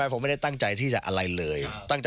ผมไม่ได้ตั้งใจที่จะอะไรเลย